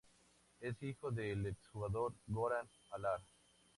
Es hijo del ex jugador Goran Alar.